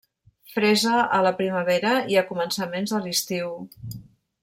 Fresa a la primavera i a començaments de l'estiu.